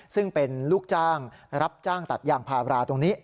ซึ่งเป็นลูกจ้างรับจ้างตัดยางพาราตรงนี้